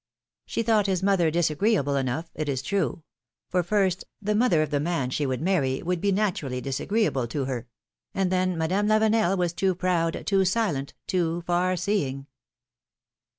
'^ She thought his mother disagreeable enough, it is true; for first, the mother of the man she Avould marry would be naturally disagreeable to her; and then, Madame Lavenel was too proud, too silent, too far seeing.